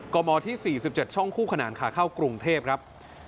มที่๔๗ช่องคู่ขนานขาเข้ากรุงเทพครับ